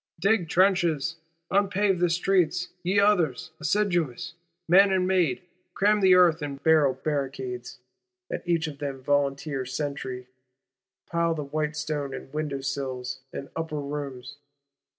Dig trenches, unpave the streets, ye others, assiduous, man and maid; cram the earth in barrel barricades, at each of them a volunteer sentry; pile the whinstones in window sills and upper rooms.